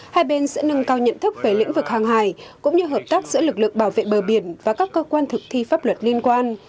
hai bên sẽ nâng cao nhận thức về lĩnh vực hàng hải cũng như hợp tác giữa lực lượng bảo vệ bờ biển và các cơ quan thực thi pháp luật liên quan